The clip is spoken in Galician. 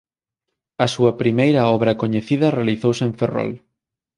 A súa primeira obra coñecida realizouse en Ferrol.